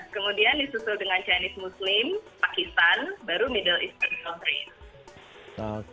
kemudian disusul dengan chinese muslim pakistan baru middle east dan new york